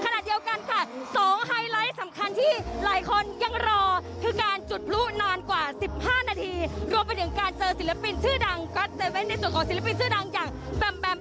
ในส่วนของศิลปินชื่อดังอย่างแบม